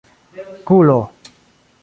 kulo